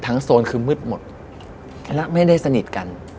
โซนคือมืดหมดและไม่ได้สนิทกัน